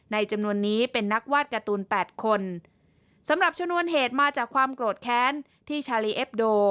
จำนวนนี้เป็นนักวาดการ์ตูนแปดคนสำหรับชนวนเหตุมาจากความโกรธแค้นที่ชาลีเอ็บโด